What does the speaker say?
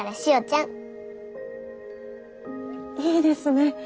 いいですね！